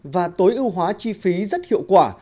và tối ưu hóa chi phí rất hiệu quả